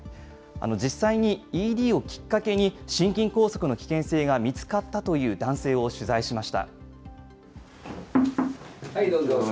実際にＥＤをきっかけに心筋梗塞の危険性が見つかったという男性を取材しました。